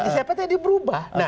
siapa tahu ini berubah